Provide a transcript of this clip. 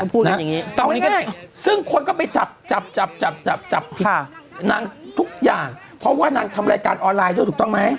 เอาง่ายซึ่งคนก็ไปจับนางทุกอย่างเพราะว่านางทำรายการออนไลน์ด้วยถูกต้องไหม